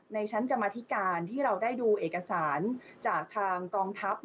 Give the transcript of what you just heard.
ในชั้นกรรมธิการที่เราได้ดูเอกสารจากทางกองทัพ